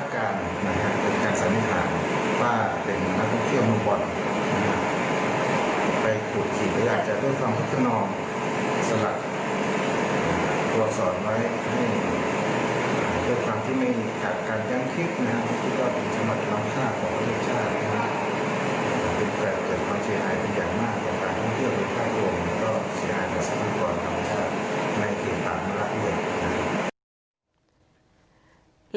ขอบคุณค่ะ